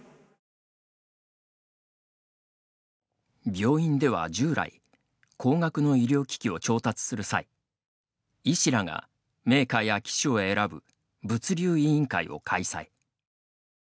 病院では従来高額の医療機器を調達する際医師らがメーカーや機種を選ぶ物流委員会を開催。